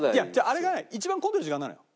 あれがね一番混んでる時間なのよ。